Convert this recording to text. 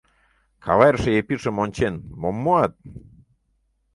Каварыше Епишым ончен, мом муат?